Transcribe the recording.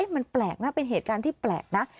มันแปลกนะเป็นเหตุการณ์ที่แปลกนะ